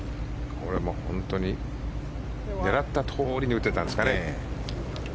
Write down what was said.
これも本当に狙ったとおりに打てたんですかね。